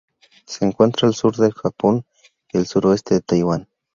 Se encuentra al sur del Japón y el suroeste de Taiwán.